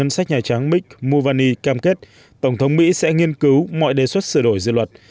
và ngân sách nhà trắng mick mulvaney cam kết tổng thống mỹ sẽ nghiên cứu mọi đề xuất sửa đổi dự luật